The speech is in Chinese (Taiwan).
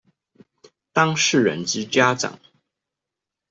當事人之家長